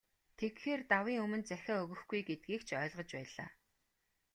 Тэгэхээр, давын өмнө захиа өгөхгүй гэдгийг ч ойлгож байлаа.